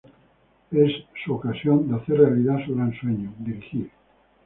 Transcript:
Es su ocasión de hacer realidad su gran sueño: dirigir.